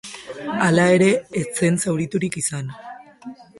Hala ere, ez zen zauriturik izan.